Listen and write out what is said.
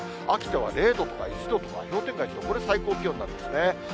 秋田は０度とか１度とか、氷点下１度、これ、最高気温なんですね。